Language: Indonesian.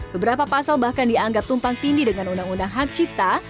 beberapa pasal bahkan dianggap tumpang tindi dengan undang undang hak cipta